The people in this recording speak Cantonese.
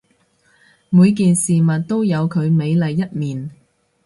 每件事物都有佢美麗一面